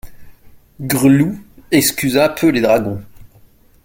Gresloup excusa peu les dragons.